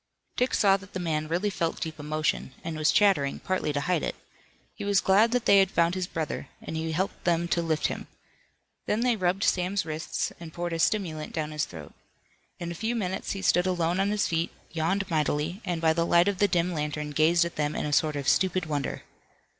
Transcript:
Dick saw that the man really felt deep emotion and was chattering, partly to hide it. He was glad that they had found his brother, and he helped them to lift him. Then they rubbed Sam's wrists and poured a stimulant down his throat. In a few minutes he stood alone on his feet, yawned mightily, and by the light of the dim lantern gazed at them in a sort of stupid wonder.